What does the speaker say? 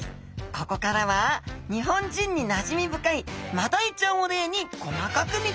ここからは日本人になじみ深いマダイちゃんを例に細かく見ていきましょう